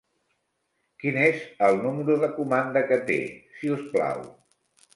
Quin és el número de comanda que té, si us plau.